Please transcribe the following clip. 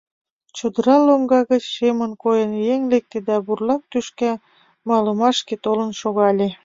Чодыра лоҥга гыч, шемын койын, еҥ лекте да бурлак тӱшка малымашке толын шогале.